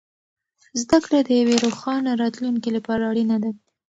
زده کړه د یوې روښانه راتلونکې لپاره اړینه ده.